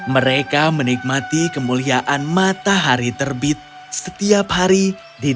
mereka menikmati kemuliaan matahari terbit setiap hari di dunia